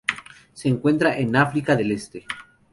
Se encuentra en África del Este.